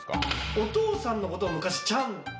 お父さんのことを昔「ちゃん」。